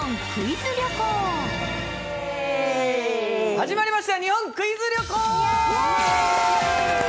始まりました「日本クイズ旅行」！